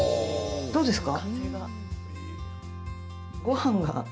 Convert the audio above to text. どうですか？